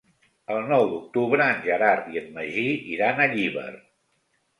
El nou d'octubre en Gerard i en Magí iran a Llíber.